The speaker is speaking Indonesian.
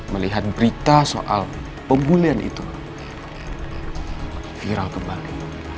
melihat berita soal pembulian itu viral kembali